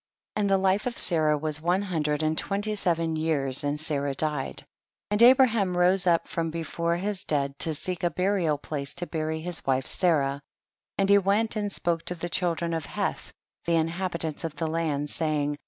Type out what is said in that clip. And the life of Sarah was one hundred and twenty seven years, and Sarah died; and Abraham rose up from before his dead to seek a burial place to bury his wife Sarah ; and he went and spoke to the child ren of Heth, the inhabitants of the land, saying, 2.